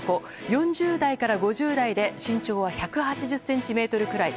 ４０代から５０代で身長は１８０ｃｍくらい。